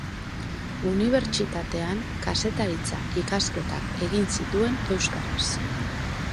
Unibertsitatean kazetaritza ikasketak egin zituen euskaraz.